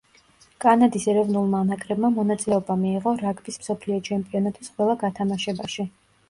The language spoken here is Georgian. კანადის ეროვნულმა ნაკრებმა მონაწილეობა მიიღო რაგბის მსოფლიო ჩემპიონატის ყველა გათამაშებაში.